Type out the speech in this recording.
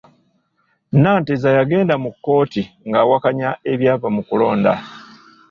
Nanteza yagenda mu kkooti ng'awakanya ebyava mu kulonda